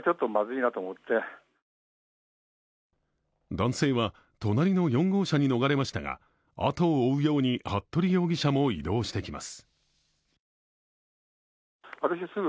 男性は隣の４号車に逃れましたが、後を追うように服部容疑者も移動してきます。